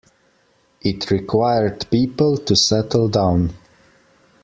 It required people to settle down.